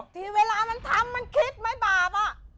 ที่เวลามันทำมันคิดไม่บาป